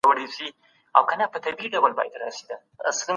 په خپلو لیکنو او ورځني ژوند کي باید تل ریښتینولي خپله کړئ.